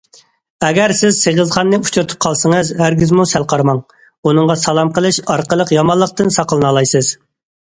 ئەگەر سىز سېغىزخاننى ئۇچرىتىپ قالسىڭىز ھەرگىزمۇ سەل قارىماڭ، ئۇنىڭغا سالام قىلىش ئارقىلىق يامانلىقتىن ساقلىنالايسىز.